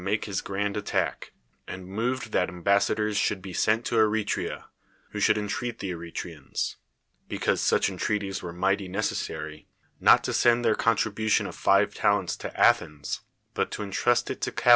ake his ^rand attack, and moved that ambassadors should be sent to Eretria, vrho should enti eat the Eretrians (because such entreaties were nii.irhty necessary) not to send their contribution of five talents to Athens, but to intrust it to Ca.